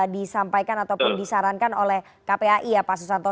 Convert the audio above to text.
disampaikan ataupun disarankan oleh kpai ya pak susanto